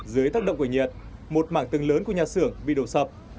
dưới tác động của nhiệt một mảng tường lớn của nhà sưởng bị đổ sập